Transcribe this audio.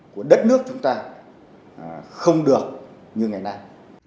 của đất nước chúng ta không được như ngày nay